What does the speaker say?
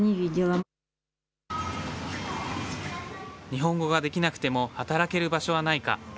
日本語ができなくても働ける場所はないか。